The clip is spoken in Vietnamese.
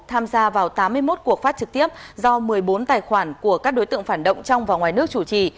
tham gia vào tám mươi một cuộc phát trực tiếp do một mươi bốn tài khoản của các đối tượng phản động trong và ngoài nước chủ trì